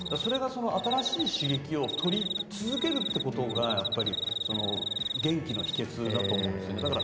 新しい刺激を取り続けることが元気の秘訣だと思うんですね。